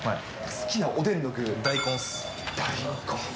好きなおでんの具。